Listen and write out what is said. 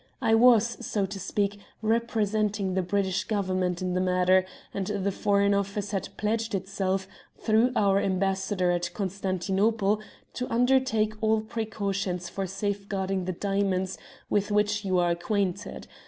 I was, so to speak, representing the British Government in the matter, and the Foreign Office had pledged itself, through our Ambassador at Constantinople, to undertake all the precautions for safeguarding the diamonds with which you are acquainted.